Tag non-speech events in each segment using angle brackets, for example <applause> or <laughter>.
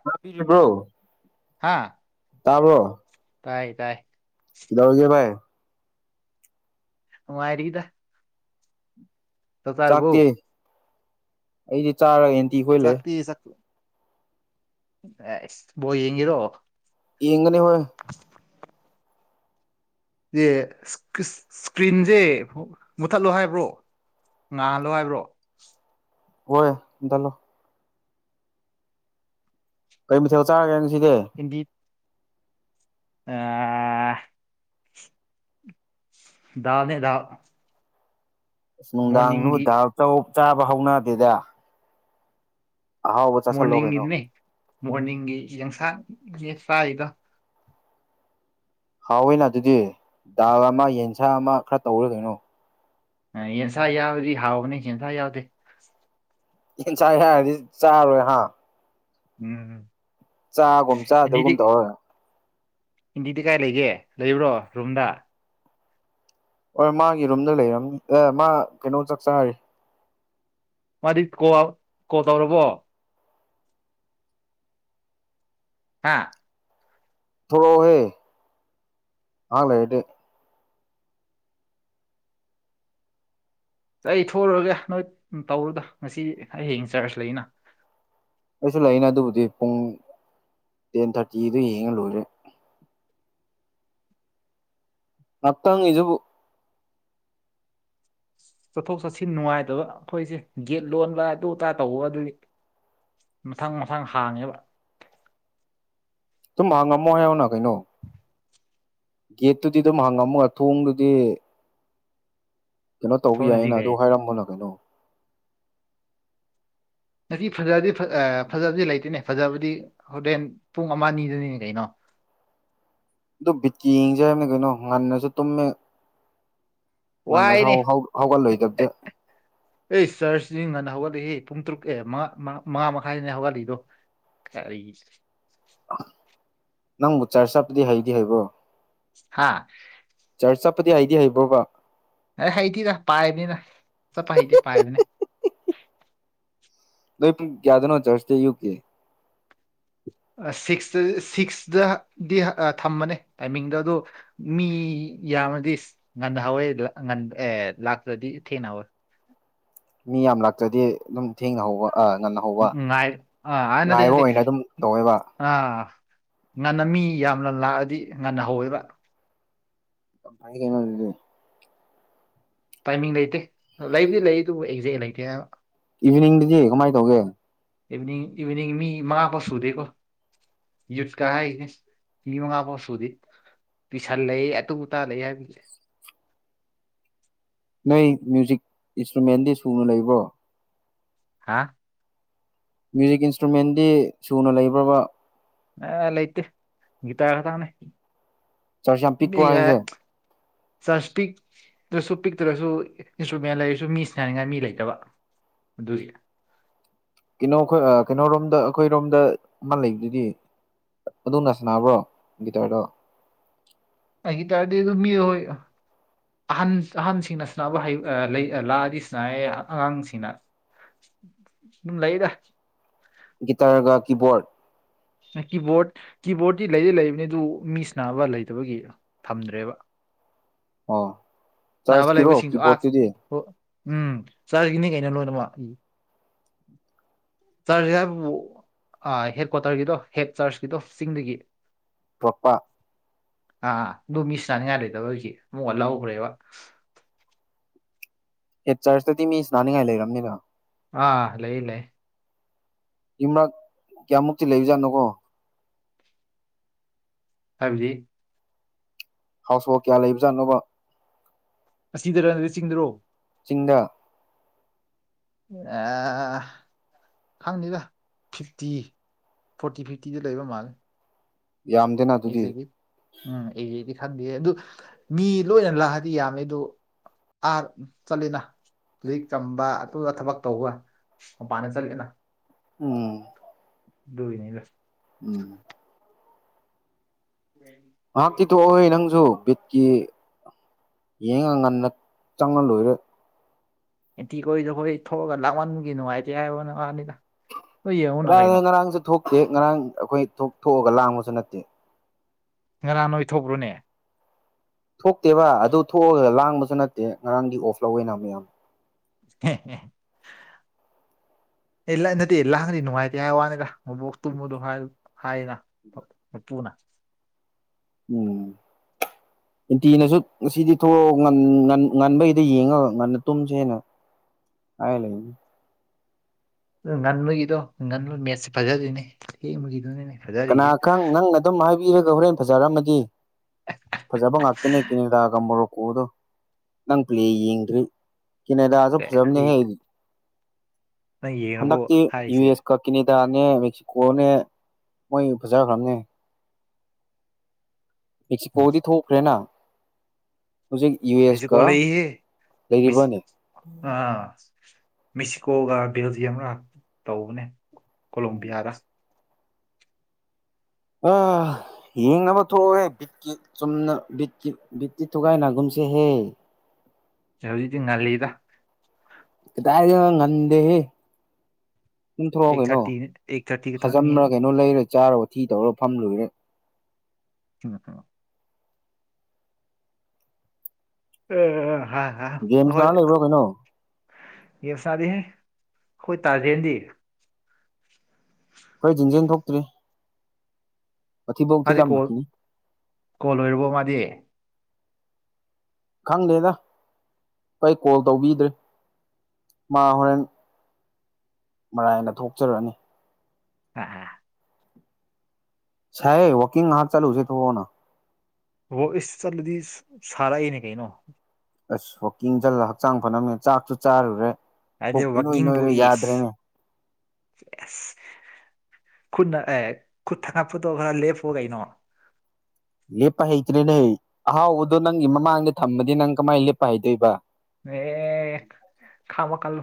ꯉ ꯄꯕ꯭ꯔꯣ ꯍꯥꯥ ꯇꯥꯕꯣ ꯇꯥꯏ ꯇꯥꯏ ꯏꯗ ꯍꯧꯒꯦꯚꯥꯏ ꯉꯥꯏꯔꯤꯗ ꯇ ꯇꯔꯕꯣ ꯑꯩꯗꯤꯦ ꯆꯥꯔꯒ ꯈꯣꯏ ꯂꯩ ꯆꯥꯛꯔꯤ ꯆ ꯑꯦꯁ ꯕꯣ ꯌꯦꯡ ꯉꯔꯣ ꯏ ꯏꯒꯅꯤ ꯍꯣꯏ ꯑꯦ ꯏꯁꯀ꯭ꯔꯤꯟꯁꯦ ꯃꯨꯠꯊꯠꯂꯣ ꯍꯥꯏꯕ꯭ꯔꯣ ꯉꯥꯍꯜꯂꯣ ꯍꯥꯏꯕ꯭ꯔꯣ ꯍꯣꯏ ꯗꯂꯣ ꯀꯩ ꯃꯊꯦꯜ ꯆꯥꯔꯒꯦ ꯉꯁꯤꯗꯤ ꯑ ꯅꯦ ꯑꯁ ꯅꯨꯡꯗꯥꯡ ꯅꯨꯡꯗꯥ ꯆꯥꯕ ꯍꯧꯅꯗꯦꯗ ꯑꯍꯥꯎꯕ ꯆꯥꯁꯜꯂꯣ ꯀꯩꯅꯣ ꯃꯣꯔꯅꯤꯡꯒꯤꯗꯨꯅꯦ ꯃꯣꯔꯅꯤꯡꯒꯤ ꯌꯦꯟꯁꯥꯡ ꯆꯥꯔꯤꯒ ꯍꯥꯎꯋꯦꯅ ꯑꯗꯨꯗꯤ ꯗꯥꯜ ꯑꯃ ꯌꯦꯟꯁꯥ ꯑꯃ ꯈꯔ ꯇꯧꯔꯦ ꯀꯩꯅꯣ ꯌꯦꯟꯁꯥ ꯌꯥꯎꯗꯤ ꯍꯥꯎꯕꯅꯤ ꯌꯦꯟꯁꯥ ꯌꯥꯎꯗꯦ ꯌꯦꯟ ꯆꯥꯏ ꯍꯥꯏꯔꯗꯤ ꯆꯥꯔꯣꯏ ꯍꯥꯥ ꯎꯝꯝ ꯆꯥꯒꯨꯝ ꯆꯥꯗꯒꯨꯝꯗꯧꯔ ꯏꯤꯟꯗꯤꯗꯤ ꯀꯥꯏ ꯂꯩꯒꯦ ꯂꯩꯕ꯭ꯔꯣ ꯔꯨꯝꯗ ꯍꯣꯏ ꯃꯥꯒꯤ ꯔꯨꯝꯗ ꯂꯩꯔꯕꯝꯅꯤ ꯑꯦ ꯃꯥ ꯀꯩꯅꯣ ꯆꯥꯛꯆꯥꯥꯔꯤ ꯃꯥꯗꯤ ꯀꯣꯜ ꯀꯣꯜ ꯇꯧꯔꯕꯣ ꯍꯥꯥ ꯊꯔꯣꯍꯦ ꯍꯥꯡ ꯂꯩꯗꯤꯦ ꯑꯩ ꯊꯣꯛꯂꯨꯔꯒꯦ ꯅꯣꯏ ꯇꯧꯔꯨꯗ ꯉꯁꯤ ꯍꯌꯦꯡ ꯆꯥꯔꯖ ꯂꯩꯅ ꯑꯩꯁꯨ ꯂꯩꯅꯦ ꯑꯗꯨꯕꯨꯗꯤ ꯄꯨꯡ ꯇꯦꯟ ꯊꯥꯔꯇꯤꯗ ꯌꯦꯡꯉ ꯂꯣꯏꯔꯦ ꯃꯠꯇꯪ ꯏꯁꯨꯕꯨ ꯆꯠꯊꯣꯛ ꯆꯠꯁꯤꯟ ꯅꯨꯡꯉꯥꯏꯇꯕ ꯑꯩꯈꯣꯏꯁꯦ ꯒꯦꯠ ꯂꯣꯟꯕ ꯑꯗꯨ ꯑꯇꯥ ꯇꯧꯕ ꯑꯗꯨꯗꯤ ꯃꯊꯪ ꯃꯊꯪ ꯍꯥꯡꯉꯦꯕ ꯑꯗꯨꯨꯝ ꯍꯪꯉꯝꯃꯣ ꯍꯥꯏꯌꯧꯅ ꯀꯩꯅꯣ ꯒꯦꯠꯇꯨꯗꯤ ꯑꯗꯨꯝ ꯍꯪꯉꯝꯃꯣꯒ ꯊꯣꯡꯗꯨꯗꯤ ꯀꯩꯅꯣ ꯇꯧꯕ ꯁꯣꯝꯗꯗꯤ ꯌꯥꯏꯅ ꯀꯩ ꯑꯗꯨ ꯍꯥꯏꯔꯝꯕꯅ ꯀꯩꯅꯣ ꯉꯁꯤ ꯐꯖꯕꯗꯤ ꯐꯖꯕꯗꯤ ꯂꯩꯇꯦꯅꯦ ꯐꯖꯕꯗꯤ ꯍꯣꯔꯦꯟ ꯄꯨꯡ ꯑꯃ ꯅꯤꯗꯨꯅꯤꯅꯦ ꯀꯩꯅꯣ <unintelligible> ꯑꯗꯨ ꯕꯤꯠꯀꯤ ꯌꯦꯡꯁꯦ ꯍꯥꯏꯕꯅꯤ ꯀꯩꯅꯣ ꯉꯟꯅꯁꯨ ꯇꯨꯝꯃꯦ ꯉꯟꯅꯁꯨ ꯋꯥꯏꯅꯦ ꯍꯧꯒꯠꯂꯣꯏꯗꯕꯗ ꯆ ꯉꯟꯅ ꯍꯧꯒꯠꯂꯏ ꯄꯨꯡ ꯇꯔꯨꯛ ꯑꯦ ꯃꯉꯥ ꯃꯈꯥꯏꯁꯤꯅꯦ ꯍꯧꯒꯠꯂꯤꯏꯗꯣ ꯀ ꯅꯪꯕꯨ ꯆꯔ ꯆꯄꯗꯤ ꯍꯩꯗꯤ ꯍꯩꯕꯣ ꯍꯥꯥ ꯗꯤ ꯑꯥꯏꯗꯤꯌꯥ ꯍꯥꯏꯕ꯭ꯔꯣꯕ ꯑꯦ ꯍꯩꯇꯤꯔ ꯄꯥꯏꯕꯅꯤꯅ ꯆꯠꯄ ꯍꯩꯇꯦ ꯄꯥꯏꯕꯅꯦ ꯂ ꯀꯌꯥꯗꯅꯣ ꯆꯔꯁꯗꯦ ꯌꯨ ꯀꯦ ꯁꯤꯛꯁꯇ ꯁꯤꯛꯁꯇꯗꯤ ꯊꯝꯕꯅꯦ ꯇꯥꯏꯃꯤꯡꯗꯣ ꯑꯗꯣ ꯃꯤ ꯌꯥꯝꯃꯗꯤ ꯉꯟꯅꯍꯥꯎꯋꯦ ꯉ ꯑꯦ ꯂꯥꯛꯇ꯭ꯔꯗꯤ ꯊꯦꯡꯅꯍꯧꯋꯦ ꯃꯤ ꯌꯥꯝ ꯂꯥꯛꯆꯗꯦ ꯑꯗꯨꯝ ꯊꯦꯡꯅꯍꯧꯕ ꯎꯝ ꯑ ꯑꯅꯗꯤ ꯉꯥꯏꯕ ꯑꯣꯏꯅ ꯑꯗꯨꯝ ꯇꯧꯋꯦꯕ ꯑ ꯉꯟꯅ ꯃꯤ ꯌꯥꯝꯅ ꯂꯥꯛꯑꯗꯤ ꯉꯟꯅ ꯍꯧꯋꯦꯕ ꯀꯩꯅꯅꯦ ꯇꯥꯏꯃꯤꯡ ꯂꯩꯇꯦ ꯂꯩꯕꯨꯗꯤ ꯂꯩ ꯑꯗꯨꯕꯨ ꯑꯦꯛꯖꯦꯛ ꯂꯩꯇꯦ ꯍꯥꯏꯕ ꯏꯚꯅꯤꯡꯗꯤꯗꯤ ꯀꯃꯥꯏꯅ ꯇꯧꯒꯦ ꯏꯚꯅꯤꯡ ꯏꯚꯅꯤꯡ ꯃꯤ ꯃꯥꯕꯨꯁ ꯎꯗꯦꯀꯣ ꯌꯠꯀꯥ ꯍꯥꯏ ꯃꯤ ꯃ ꯍꯥꯄ ꯁꯣꯗꯤ ꯇꯨꯏꯁꯟ ꯂꯩ ꯑꯇꯞ ꯑꯇꯥ ꯂꯩ ꯍꯥꯏꯕꯁꯦ ꯑꯩ ꯃ꯭ꯌꯨꯖꯤꯛ ꯏꯟꯁꯇ꯭ꯔꯨꯃꯦꯟꯗꯤ ꯁꯨꯅ ꯂꯩꯕ꯭ꯔꯣ ꯍꯥꯥ ꯃ꯭ꯌꯨꯖꯤꯛ ꯏꯟꯁꯇ꯭ꯔꯨꯃꯦꯟꯗꯤ ꯁꯨꯅ ꯂꯩꯕ꯭ꯔꯕ ꯑ ꯂꯩꯇꯦ ꯒꯤꯇꯥ ꯀꯊꯅꯦ ꯆꯔꯁꯤ ꯌꯥꯝ ꯄꯤꯛꯄ ꯍꯥꯏꯁꯦ <unintelligible> ꯆꯥꯟꯁ ꯄꯤꯛꯇꯁꯨ ꯄꯤꯛꯇꯨ꯭ꯔꯁꯨ ꯏꯟꯁꯇ꯭ꯔꯨꯃꯦꯟ ꯂꯩꯔꯁꯨ ꯃꯤ ꯁꯤꯅꯥꯅꯤꯡꯉꯥꯏ ꯃꯤ ꯂꯩꯇꯕ ꯑꯗꯨꯔꯤ ꯀꯩꯅꯣ ꯑꯩꯈꯣꯏ ꯀꯩꯅꯣꯔꯣꯝꯗ ꯑꯩꯈꯣꯏꯔꯣꯝꯗ ꯃꯥ ꯂꯩꯗꯨꯗꯤ ꯑꯗꯨꯅ ꯁꯅꯥꯕ꯭ꯔꯣ ꯒꯤꯇꯥꯔꯗꯣ ꯑꯩꯒꯤ ꯇꯗꯤ ꯑꯗꯨꯃꯤ ꯑꯍꯟ ꯑꯍꯟꯁꯤꯡꯅ ꯁꯅꯕ ꯂꯥꯛꯑꯗꯤ ꯁꯅ ꯑꯉꯥꯡꯁꯤꯡꯅ ꯂꯩꯗ ꯒꯤꯇꯥꯔꯒ ꯀꯤꯕꯣꯔꯠ ꯀꯤꯕꯣꯔꯗ ꯀꯤꯕꯣꯔꯇꯤ ꯂꯩꯗꯤ ꯂꯩꯕꯅꯤ ꯑꯗꯨ ꯃꯤꯁꯅꯥꯅꯕ ꯂꯩꯇꯕꯒꯤ ꯊꯝꯗ꯭ꯔꯦꯕ ꯑꯣ ꯆꯥꯕ ꯆꯔꯆꯀꯤꯔꯣ ꯂꯩꯕꯁꯤꯡꯁꯨ ꯑ ꯀꯤꯕꯣꯔꯗꯇꯨꯗꯤ ꯎꯝ ꯆꯥꯒꯤꯅꯦ ꯀꯩꯅ ꯂꯣꯏꯅꯃꯛ ꯏ ꯆꯔꯕ ꯑ ꯍꯦꯠ ꯀ꯭ꯋꯥꯇꯔꯒꯤꯗꯣ ꯍꯦꯠ ꯆꯥꯔꯆꯀꯤꯗꯣ ꯆꯤꯡꯗꯒꯤ ꯇꯣꯄꯥ ꯑꯥ ꯑꯗꯨ ꯃꯤꯁꯤ ꯆꯥꯅꯤꯡꯉꯥꯏ ꯂꯩꯇꯕꯒꯤ ꯑꯃꯨꯛꯀ ꯂꯧꯈ꯭ꯔꯦꯕ ꯍ ꯆꯔꯆꯇꯗꯤ ꯃꯤꯁ ꯅꯥꯅꯤꯡꯉꯥꯏ ꯂꯩꯔꯝꯅꯤꯒ ꯑꯥ ꯂꯩ ꯂꯩ ꯂꯩ ꯌꯛ ꯀꯌꯥꯃꯨꯛꯇꯤ ꯂꯩꯕꯖꯥꯠꯅꯣꯀꯣ ꯍꯥꯏꯖꯤ ꯍꯥꯎꯁ ꯋꯥꯐ ꯀꯌꯥ ꯂꯩꯕꯖꯥꯠꯅꯣꯕ ꯑꯁꯤꯗ ꯔꯟꯔꯠ ꯆꯁꯤꯡꯗꯨꯔꯣ ꯆꯤꯡꯗ ꯑ ꯈꯪꯅꯤꯗ ꯐꯤꯐꯇꯤ ꯐꯣꯔꯇꯤ ꯐꯤꯐꯇꯤꯗ ꯂꯩꯕ ꯃꯥꯜꯂꯦ ꯌꯥꯝꯗꯦꯅ ꯑꯗꯨꯗꯤ ꯑꯩꯖꯦꯦ ꯎꯝꯗꯤ ꯈꯪꯗꯦ ꯑꯗꯨ ꯃꯤ ꯂꯣꯏꯅ ꯂꯥꯛꯑꯗꯤ ꯌꯥꯝꯃꯦ ꯑꯗꯨ ꯑꯥ ꯆꯠꯂꯦꯅ ꯍꯧꯖꯤꯛ ꯆꯝꯕ ꯑꯗꯨꯒ ꯊꯕꯛ ꯇꯧꯕ ꯃꯄꯥꯟꯗ ꯆꯠꯂꯦꯅ ꯎꯝ ꯕꯨꯏꯅꯤ ꯂꯁ ꯎꯝ ꯍꯥ ꯇ ꯇꯣ ꯑꯣꯣꯏ ꯅꯪꯁꯨ ꯀ ꯌꯦꯡꯉ ꯉꯟꯅ ꯆꯪꯉ ꯂꯣꯏꯔꯦ ꯑꯦꯟꯇꯤ ꯀꯣꯏꯗꯈꯣꯏ ꯊꯣꯛꯑꯒ ꯂꯥꯛꯃꯟꯒꯤ ꯅꯨꯡꯉꯥꯏꯇꯦ ꯍꯥꯏꯕ ꯅꯉꯅꯤꯗ ꯀꯗꯥꯏꯗ ꯉꯔꯥꯡꯁꯨ ꯊꯣꯛꯇꯦ ꯉꯔꯥꯡ ꯑꯩꯈꯣꯏ ꯊꯣꯛꯑꯒ ꯂꯥꯡꯕꯁꯨ ꯅꯠꯇꯦ ꯉꯔꯥꯡ ꯅꯣꯏ ꯊꯣꯛꯣꯛ꯭ꯔꯨꯅꯦ ꯊꯣꯛꯇꯦꯕ ꯑꯗꯨ ꯊꯣꯛꯑꯒ ꯂꯥꯡꯕꯁꯨ ꯅꯠꯇꯦ ꯉꯔꯥꯡꯗꯤ ꯑꯣꯐ ꯂꯧꯋꯦꯅ ꯃꯌꯥꯝ <inaudible> ꯑꯦ ꯂ ꯅꯠꯇꯦ ꯂꯥꯛꯒꯗꯤ ꯅꯨꯡꯉꯥꯏꯇꯦ ꯍꯥꯏ ꯋꯥꯅꯤꯒ ꯃꯕꯣꯛꯇꯨꯝꯃꯨꯗꯣ ꯍꯥꯏ ꯍꯥꯏꯅ ꯃꯄꯨꯅ <inaudible> ꯎꯝ <inaudible> ꯑꯦꯟꯇꯤꯅꯁꯨ ꯉꯁꯤꯗꯤ ꯊꯣꯛꯑꯣ ꯉꯟꯕꯒꯤꯗ ꯌꯦꯡꯉꯒ ꯉꯟꯅ ꯇꯨꯝꯁꯦꯅ ꯍꯥꯏ ꯂꯩ ꯑ ꯉꯟꯕꯒꯤꯗꯣ ꯉꯟꯕ ꯃꯦꯠꯁꯦ ꯐꯥꯖꯗꯣꯏꯅꯦ ꯊꯦꯡꯕꯒꯤꯗꯨꯅꯦꯅꯦ ꯀꯅꯥ ꯈꯪ ꯅꯪꯅ ꯑꯗꯨꯝ ꯍꯥꯏꯕꯤꯔꯒ ꯍꯣꯔꯦꯟ ꯐꯖꯔꯝꯃꯗꯤ ꯐꯖꯕ ꯉꯥꯛꯇꯅꯦ ꯀꯦꯅꯦꯗꯥꯒ ꯃꯣꯔꯣꯀꯣꯗꯣ ꯅꯪ ꯄ꯭ꯂꯦ ꯌꯦꯡꯗ꯭ꯔꯤ ꯀꯅꯦ ꯑꯁꯨ ꯑꯦ ꯐꯖꯕꯅꯤ ꯅꯪꯒꯤ ꯍꯥꯏꯗꯤ ꯅꯪ ꯌꯦꯡꯉꯕꯣ ꯍꯟꯗꯛ ꯌꯨ ꯍꯥꯏꯔꯤꯁꯦ ꯑꯦꯁ ꯀ ꯀꯅꯦ ꯗꯥꯅꯦ ꯃꯦꯛꯁꯤꯀꯣꯅꯦ ꯃꯣꯏ ꯐꯖꯈ꯭ꯔꯕꯅꯦ ꯑꯦꯁꯤ ꯎꯝ ꯀꯣꯗꯤ ꯊꯣꯛꯄ ꯔꯦꯅꯥ ꯃꯤꯁꯤ ꯀꯣꯂꯍ ꯃꯤꯁꯤ ꯂꯩꯔꯤꯕꯅꯦ ꯑꯥ ꯃꯦꯛꯁꯤꯀꯣꯒ ꯕꯦꯜꯖꯤꯌꯝꯒ ꯇꯧꯕꯅꯦ ꯎꯝ ꯀꯣꯂꯣꯝꯕꯤꯌꯥꯗ ꯑ ꯌꯦꯡ ꯑꯃ ꯊꯣꯛꯑꯣ ꯕꯤꯠꯀꯤ ꯆꯨꯝꯅ ꯕꯤꯀꯤ ꯕꯤꯀꯤ ꯊꯨꯒꯥꯏ ꯒꯨꯝ ꯆꯍꯤꯍ ꯍꯧꯖꯤꯛꯇꯤ ꯉꯜꯂꯤꯗ ꯈꯤꯇ ꯉꯗꯦ ꯄꯨꯝꯊꯣꯛꯑꯣ ꯑꯩꯠ ꯀꯩꯅꯣ ꯊꯥꯔꯇꯤꯅꯤ ꯑꯩꯠ ꯊꯥꯔꯇꯤ ꯈꯛꯇꯪꯅꯤ ꯈꯥꯖꯝ꯭ꯔ ꯀꯩꯅꯣ ꯂꯩꯔ ꯆꯥꯔ ꯑꯣꯊꯤ ꯇꯧꯔ ꯐꯝꯔꯨꯔꯦ ꯆꯨꯔꯇꯣ ꯎ ꯎ ꯒꯦꯝ ꯁꯅ ꯂꯩꯕ ꯀꯩꯅꯣ ꯌꯦ ꯐ ꯁꯥꯗꯤ ꯍ ꯍꯣꯏ ꯇꯥꯖ ꯍꯦꯟꯗꯤ ꯑꯩꯈꯣꯏ ꯆꯤꯡꯖꯦꯜ ꯊꯣꯛꯇ꯭ꯔꯤ ꯋꯥꯊꯤꯕꯧ ꯃꯥꯗꯤ ꯀꯣꯜ ꯊꯤꯜꯂꯝꯃꯛꯈꯤꯅꯤ ꯀꯣꯜ ꯂꯣꯏꯔꯕꯣ ꯃꯥꯗꯤ ꯈꯪꯗꯦꯗ ꯑꯩ ꯀꯣꯜ ꯇꯧꯕꯤꯗ꯭ꯔꯔꯤ ꯃꯥ ꯍꯣꯔꯦꯟ ꯃꯔꯥꯏꯅꯥ ꯊꯣꯛꯆꯔꯛꯅꯤ ꯑꯥꯑꯥ ꯁꯥꯌꯦ ꯋꯥꯀꯤꯡ ꯉꯥꯏꯍꯥꯛ ꯆꯠꯂꯨꯁꯦ ꯊꯣꯔꯛꯑꯣꯅꯥ ꯍꯣ ꯏꯁ ꯆꯠꯂꯗꯤ ꯁꯔꯛꯑꯦꯅꯦ ꯀꯩꯅꯣ ꯑꯁ ꯋꯥꯛꯀꯤꯡ ꯆꯠꯂꯥ ꯍꯛꯆꯥꯡ ꯐꯅꯝꯃꯦ ꯆꯥꯛꯁꯨ ꯆꯥꯔꯨꯔꯦ ꯄꯨꯛ ꯏꯅꯣꯏ ꯅꯣꯏꯔꯦ ꯌꯥꯗ꯭ꯔꯦꯃꯦ ꯌꯥꯁ ꯈꯨꯠꯅꯥ ꯑꯦ ꯈꯨꯠ <unintelligible> ꯂꯦꯞꯄꯣ ꯀꯩꯅꯣ ꯂꯦꯞꯄꯥ ꯍꯩꯇ꯭ꯔꯦꯅꯦ ꯑꯍꯥꯎꯕꯗꯣ ꯅꯪꯒꯤ ꯃꯃꯥꯡꯗ ꯊꯝꯃꯥꯗꯤ ꯅꯪ ꯀꯃꯥꯏꯅ ꯂꯦꯞꯄꯥ ꯍꯩꯗꯣꯏꯕ ꯑꯦ ꯈꯃ ꯀꯜꯂꯨ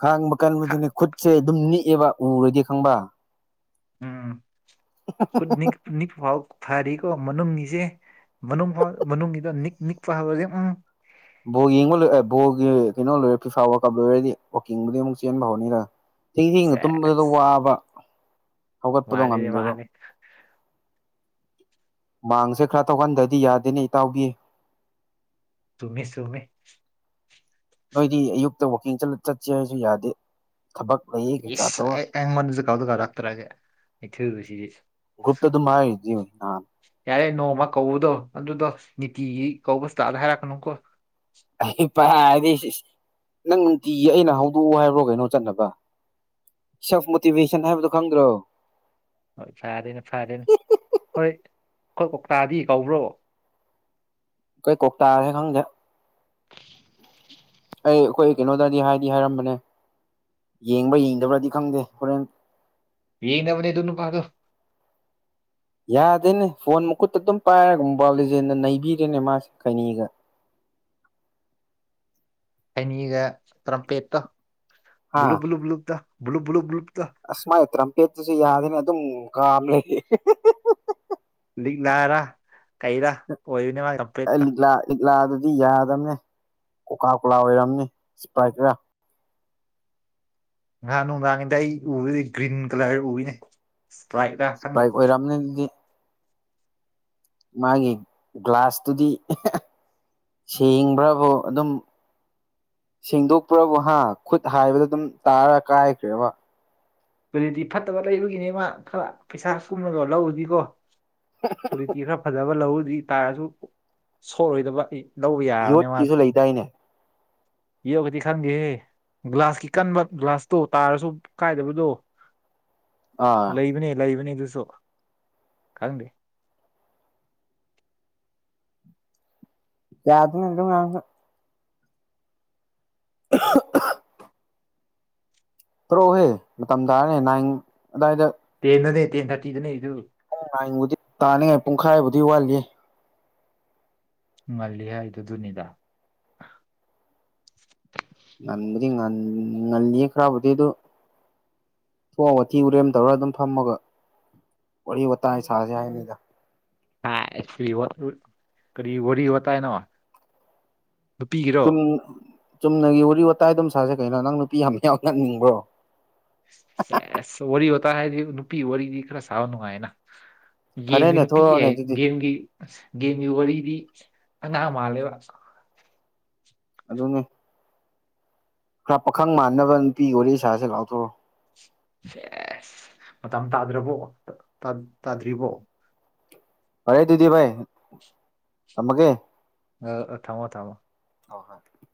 ꯈꯥꯡꯕ ꯈꯥ- ꯀꯟꯗꯨꯅꯦ ꯈꯨꯠꯁꯦ ꯑꯗꯨꯝ ꯅꯤꯛꯑꯦꯕ ꯎꯔꯗꯤ ꯈꯪꯕ ꯎꯝ ꯈꯨꯠ ꯅꯤ ꯐꯥꯎ ꯐꯔꯤꯀꯣ ꯃꯅꯨꯡꯅꯤꯁꯦ ꯃꯅꯨꯡꯎ ꯃꯅꯨꯡꯒꯤꯗ ꯅꯤꯛ ꯅꯤꯛꯄ ꯍꯧꯔꯒꯦ ꯎꯝ ꯕꯣ ꯌꯦꯡꯕ ꯂꯣꯏ ꯕꯣꯒꯤ ꯀꯩꯅꯣ ꯂꯣꯏꯔꯦ ꯐꯤꯐꯥ ꯋꯥꯛꯀꯞ ꯂꯣꯏꯔꯗꯤ ꯋꯥꯛꯀꯤꯡꯕꯨꯗꯤ ꯑꯃꯨꯛ ꯆꯦꯟꯕ ꯍꯧꯎꯅꯤꯗ ꯊꯦꯡꯊꯦꯡꯅ ꯇꯨꯝꯕꯗꯨꯗ ꯁꯦꯁ ꯋꯥꯕ ꯄꯒꯠꯄꯗ ꯃꯥꯜꯂꯦꯅꯦ ꯉꯥꯝꯗꯦꯗꯣ ꯃꯥꯜꯂꯦ ꯃꯥꯡꯁꯦ ꯈꯔ ꯇꯧꯍꯟꯗꯗꯤ ꯌꯥꯗꯦꯅꯤ ꯏꯇꯥꯎꯒꯤ ꯆꯨꯝꯃꯤ ꯆꯨꯝꯃꯤ ꯅꯣꯏꯗꯤ ꯑꯌꯨꯛꯇ ꯋꯥꯋꯀꯤꯡ ꯆꯠꯁꯦ ꯍꯥꯏꯁꯨ ꯌꯥꯗꯦ ꯊꯕꯛ ꯂꯩꯌꯦ ꯀꯩꯀꯥ ꯇꯧꯔ ꯀꯥꯎꯗ ꯀꯔꯥꯛꯛꯇꯔꯛꯑꯒꯦ ꯑꯩꯊꯣꯏ ꯁꯤꯗꯤ ꯒ꯭ꯔꯨꯨꯞꯇꯗꯨꯝ ꯍꯥꯢꯔꯤꯗꯨꯗꯤ ꯌꯥꯔꯦ ꯅꯣꯡꯃ ꯀꯧꯕꯗꯣ ꯑꯗꯨꯗꯣ ꯅꯤꯇꯤꯒꯤ ꯀꯧꯕꯁꯤꯇꯥꯗ ꯍꯥꯏꯔꯛꯀꯅꯨꯀꯣ <unintelligible> <unintelligible> ꯅꯪ ꯅꯨꯡꯇꯤꯒꯤ ꯑꯩꯅ ꯍꯧꯗꯣꯛꯑꯣ ꯍꯥꯏꯕ꯭ꯔꯣ ꯀꯩꯅꯣ ꯆꯠꯅꯥꯕ ꯁꯦꯜꯐ ꯃꯣꯇꯤꯚꯦꯁꯟ ꯍꯥꯏꯕꯗꯨꯣ ꯈꯪꯗ꯭ꯔꯣ ꯍꯣꯏ ꯐꯔꯦꯅꯦ ꯐꯔꯦꯅꯦ ꯍꯣꯏ ꯑꯩꯈꯣꯏ ꯀꯧꯇꯥꯗꯤ ꯀꯧꯕ꯭ꯔꯣ <unintelligible> ꯑꯩꯈꯣꯏ ꯀꯣꯛꯇꯥꯔꯦ ꯈꯪꯗꯦ ꯑꯩ ꯑꯩꯈꯣꯏ ꯀꯩꯅꯣꯗꯗꯤ ꯍꯥꯏꯗꯤ ꯍꯥꯏꯔꯝꯕꯅꯦ ꯌꯦꯡꯕ ꯌꯦꯡꯗꯥꯕ꯭ꯔꯗꯤ ꯈꯪꯗꯦ ꯍꯣꯔꯦꯟ ꯌꯦꯡꯅꯥꯕꯅꯦ ꯑꯗꯨ ꯅꯨꯄꯥꯗꯣ ꯌꯥꯗꯦꯅꯦ ꯐꯣꯟ ꯃꯈꯨꯠꯇ ꯑꯗꯨꯝ ꯄꯥꯏꯔꯒꯥ ꯃꯣꯕꯥꯎꯜ ꯂꯤꯖꯦꯟꯅ ꯅꯩꯕꯤꯔꯦꯅꯦ ꯃꯥꯁꯦ ꯈꯩꯅꯤꯒꯥ <inaudible> ꯑꯩꯅꯤꯒ ꯇꯔꯝꯄꯦꯠꯇꯣ ꯍꯥ <unintelligible> <unintelligible> ꯑꯁ ꯃꯥꯒꯤ ꯇ꯭ꯔꯝꯄꯦꯠꯇꯁꯨ ꯌꯥꯗꯦꯅꯦ ꯑꯗꯨꯝ ꯀꯥꯝꯃꯦ ꯂꯥꯔꯥ ꯀꯩꯔꯥ ꯑꯣꯏꯕꯅꯦ ꯃꯥꯒꯤ ꯀꯝꯄ꯭ꯂꯦꯠꯇꯣ ꯂꯥꯗꯗꯤ ꯌꯥꯗꯝꯅꯦ ꯀꯣꯀꯥ ꯀꯣꯂꯥ ꯑꯣꯏꯔꯝꯅꯤ ꯁꯤꯄꯥꯏ ꯈꯔꯥ ꯉꯍꯥꯟ ꯅꯨꯡꯗꯥꯡꯗꯥ ꯑꯩ ꯎꯕꯗꯤ ꯒ꯭ꯔꯤꯟ ꯀꯥꯂꯔ ꯕꯨ ꯎꯏꯅꯦ ꯏꯁꯄ꯭ꯔꯥꯏꯠꯔꯥ ꯈꯪꯗꯦ ꯏꯁꯄ꯭ꯔꯥꯏꯠ ꯑꯣꯏꯔꯝꯅꯤ ꯑꯗꯨꯗꯤ ꯃꯥꯒꯤ ꯒ꯭ꯂꯥꯁꯇꯨꯗꯤ ꯁꯦꯡꯕ꯭ꯔꯕꯨ ꯑꯗꯨꯝ ꯁꯦꯡꯗꯣꯛꯄ꯭ꯔꯥꯕꯨ ꯍꯥ ꯈꯨꯠ ꯍꯥꯏꯕꯗ ꯑꯗꯨꯝ ꯇꯥꯔ ꯀꯥꯏꯈ꯭ꯔꯦꯕꯥ ꯑꯗꯨꯗꯤ ꯐꯠꯇꯕ ꯂꯩꯕꯒꯤꯅꯦ ꯃꯥ ꯈꯔ ꯄꯩꯁꯥ ꯀꯨꯝꯃꯒꯥ ꯂꯧꯔꯥꯗꯤꯀꯣ ꯀ꯭ꯋꯥꯂꯤꯇꯤ ꯈꯔ ꯐꯖꯕ ꯂꯧꯔꯨꯗꯤ ꯇꯥꯔꯁꯨ ꯁꯣꯛꯔꯣꯏꯗꯕ ꯢ ꯂꯧ ꯌꯥꯕꯅꯦ ꯃꯥꯗꯣ ꯌꯣꯠꯀꯤꯁꯨ ꯂꯩꯗꯥꯏꯅꯦ ꯌꯨꯕꯨꯗꯤ ꯈꯪꯗꯦꯍꯦ ꯒ꯭ꯂꯥꯁꯀꯤ ꯀꯟꯕ ꯒ꯭ꯂꯥꯁꯇꯣ ꯇꯥꯔꯁꯨ ꯀꯥꯏꯗꯕꯗꯣ ꯑꯥ ꯂꯩꯕꯅꯦ ꯂꯩꯕꯅꯦ ꯑꯗꯨ ꯈꯪꯗꯦ <unintelligible> <unintelligible> ꯊꯣꯔꯛꯎꯍꯦ ꯃꯇꯝ ꯇꯥꯔꯅꯦ ꯅꯥꯏꯟ ꯑꯗꯥꯏꯗ <unintelligible> ꯇꯦꯟ ꯊꯥꯔꯇꯤꯗꯅꯦ ꯑꯗꯨ ꯄꯨꯡ ꯅꯥꯏꯟꯕꯨꯗꯤ ꯇꯥꯅꯤ ꯄꯨꯡꯈꯥꯏꯕꯨꯗꯤ ꯋꯥꯠꯂꯤ ꯉꯜꯂꯤ ꯍꯥꯏꯗꯨ ꯗꯨꯅꯤꯗꯥ ꯉꯟꯕꯨꯗꯤ ꯉ ꯉꯜꯂꯤꯌꯦ ꯈꯔꯕꯨꯗꯤ ꯑꯗꯨ ꯊ ꯋꯥꯊꯤ ꯎꯔꯦꯝ ꯇꯧꯔꯒ ꯑꯗꯨꯝ ꯐꯝꯃꯒ ꯋꯥꯔꯤ ꯋꯥꯇꯥꯥꯏ ꯁꯥꯖꯦꯗ ꯑꯦꯆ ꯀꯔꯤ ꯋꯥꯔꯤ ꯋꯥꯔꯤ ꯋꯥꯇꯥ ꯅ ꯋꯥ ꯅꯨꯄꯤꯒꯤꯔꯣ ꯆꯨꯝ ꯆꯨꯝꯅꯒꯤ ꯋꯥꯔꯤ ꯋꯥꯇꯥꯏ ꯑꯗꯨꯝ ꯁꯥꯁꯦ ꯀꯩꯅꯣ ꯅꯪ ꯅꯨꯄꯤ ꯌꯥꯝ ꯌꯥꯎꯍꯟꯅꯤꯡꯕ꯭ꯔꯣ ꯋꯥꯔꯤ ꯋꯇꯥꯏ ꯍꯥꯏꯗꯤ ꯅꯨꯄꯤꯒꯤ ꯋꯥꯔꯤꯗꯤ ꯈꯔꯥ ꯁꯥꯕ ꯅꯨꯡꯉꯥꯏꯅꯥ ꯒꯦꯝꯒꯤ ꯐꯔꯦꯅꯦ ꯅꯨꯄꯤ ꯊꯣꯛꯂꯛꯑꯣꯅꯦ ꯑꯦ ꯑꯗꯨꯗꯤ ꯒꯦꯝꯒꯤ ꯑꯁ ꯒꯦꯝꯒꯤ ꯋꯥꯔꯤ ꯗꯤ ꯑꯉꯥꯡ ꯃꯥꯜꯂꯦꯕ ꯑꯗꯨꯅꯦ ꯈꯔ ꯄꯥꯈꯪ ꯃꯥꯟꯅꯕ ꯅꯨꯄꯤꯒꯤ ꯋꯥꯔꯤ ꯁꯥꯥꯁꯦ ꯂꯥꯎ ꯊꯣꯔꯛꯑꯣ ꯁꯦꯁ ꯃꯇꯝ ꯇꯥꯗ꯭ꯔꯕꯣ ꯇꯥꯗ꯭ꯔꯤꯕꯣ ꯑꯔꯦ ꯑꯗꯨꯗꯤ ꯚꯥꯏ ꯊꯝꯃꯥꯒꯦ ꯑꯎ ꯊꯝꯃꯣ ꯊꯝꯃꯣ ꯍ ꯍꯣꯏ